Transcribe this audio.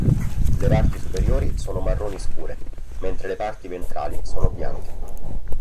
Le parti superiori sono marroni scure, mentre le parti ventrali sono bianche.